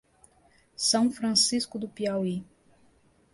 São Francisco do Piauí